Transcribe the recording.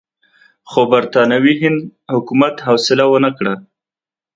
خو برټانوي هند حکومت حوصله ونه کړه.